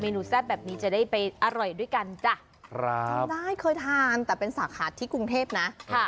นูแซ่บแบบนี้จะได้ไปอร่อยด้วยกันจ้ะครับได้เคยทานแต่เป็นสาขาที่กรุงเทพนะ